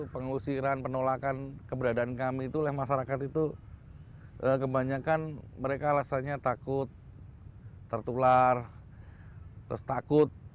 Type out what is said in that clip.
pengusiran penolakan keberadaan kami itu oleh masyarakat itu kebanyakan mereka alasannya takut tertular terus takut